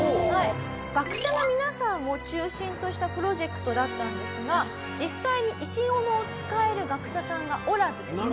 学者の皆さんを中心としたプロジェクトだったんですが実際に石斧を使える学者さんがおらずですね